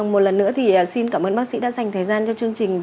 một lần nữa thì xin cảm ơn bác sĩ đã dành thời gian cho chương trình